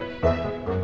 udah mau ke rumah